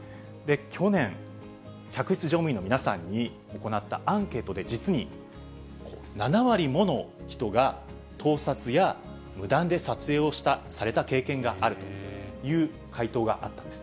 去年、客室乗務員の皆さんに行ったアンケートで、実に７割もの人が、盗撮や無断で撮影をされた経験があるという回答があったんです。